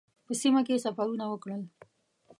په سیمه کې سفرونه وکړل.